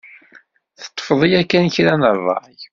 Teṭṭfeḍ yakan kra n rray?